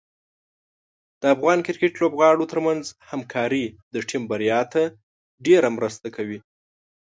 د افغان کرکټ لوبغاړو ترمنځ همکاري د ټیم بریا ته ډېره مرسته کوي.